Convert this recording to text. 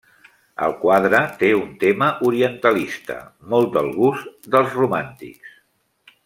El quadre té un tema orientalista, molt del gust dels romàntics.